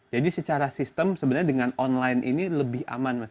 jadi secara sistem sebenarnya dengan online ini lebih aman mas